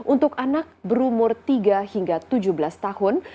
untuk anak berumur tiga hingga tujuh belas tahun